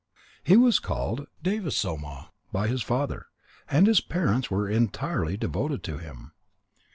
He was called Devasoma by his father, and his parents were entirely devoted to him.